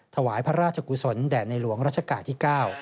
ถวายพระราชกุศลแด่ในหลวงรัชกาลที่๙